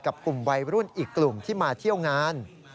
กับกลุ่มวัยรุ่นอีกกลุ่มที่มาเที่ยวงาน